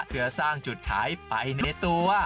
เพื่อสร้างจุดขายไปในตัว